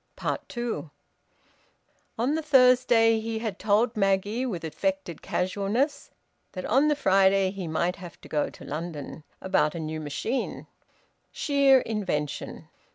TWO. On the Thursday he had told Maggie, with affected casualness, that on the Friday he might have to go to London, about a new machine. Sheer invention!